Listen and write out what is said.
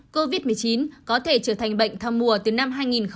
covid một mươi chín có thể trở thành bệnh thâm mùa từ năm hai nghìn hai mươi hai